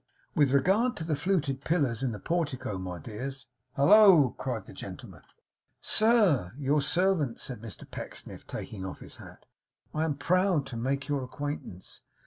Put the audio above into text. With regard to the fluted pillars in the portico, my dears ' 'Hallo!' cried the gentleman. 'Sir, your servant!' said Mr Pecksniff, taking off his hat. 'I am proud to make your acquaintance.